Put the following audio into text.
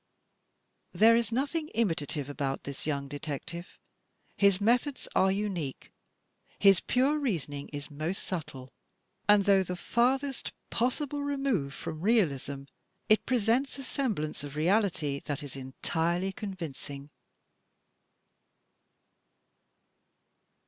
There is nothing imitative about this young detective. His methods are imique. His pure reasoning is most subtle; and though the farthest possible remove from realism it presents a semblance of reality that is entirely convincing.